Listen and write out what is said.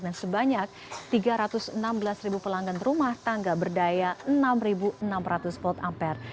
dan sebanyak tiga ratus enam belas pelanggan rumah tangga berdaya enam enam ratus v ampere